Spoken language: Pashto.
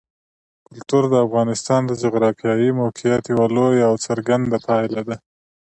کلتور د افغانستان د جغرافیایي موقیعت یوه لویه او څرګنده پایله ده.